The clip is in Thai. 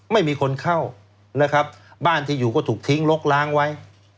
ไม่มีคนเข้านะครับบ้านที่อยู่ก็ถูกทิ้งลกล้างไว้